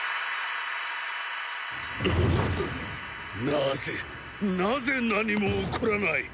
なぜなぜ何も起こらない！？